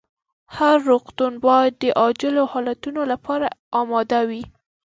هر روغتون باید د عاجلو حالتونو لپاره اماده وي.